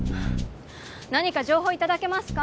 何か情報頂けますか？